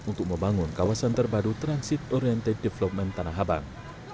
untuk membangun kawasan terbaru transit oriented development tanah abang